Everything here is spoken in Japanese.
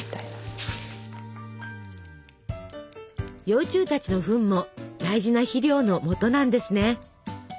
幼虫たちのフンも大事な肥料のもとなんですね。